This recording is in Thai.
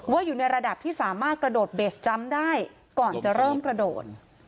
อยู่ในระดับที่สามารถกระโดดเบสจ้ำได้ก่อนจะเริ่มกระโดด